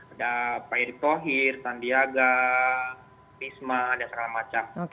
ada pak erick thohir tandiaga pisma dan segala macam